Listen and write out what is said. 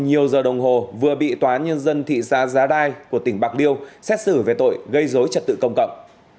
nhiều giờ đồng hồ vừa bị tòa nhân dân thị xã giá đai của tỉnh bạc liêu xét xử về tội gây dối trật tự công cộng